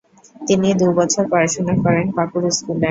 তিনি দু’বছর পড়াশোনা করেন পাকুড় স্কুলে।